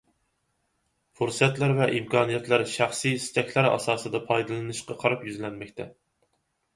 پۇرسەتلەر ۋە ئىمكانىيەتلەر شەخسىي ئىستەكلەر ئاساسىدا پايدىلىنىشقا قاراپ يۈزلەنمەكتە.